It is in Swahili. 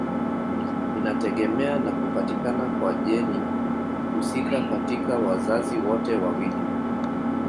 Inategemea na kupatikana kwa jeni husika katika wazazi wote wawili.